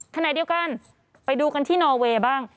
ขณะเดียวกันไปดูกันที่นอเวย์บ้าง